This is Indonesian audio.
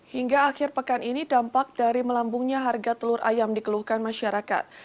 hingga akhir pekan ini dampak dari melambungnya harga telur ayam dikeluhkan masyarakat